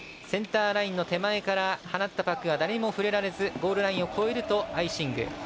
センターラインの手前から放ったパックが誰にも触れられずゴールラインを越えるとアイシング。